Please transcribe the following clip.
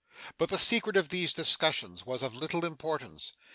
But the secret of these discussions was of little importance.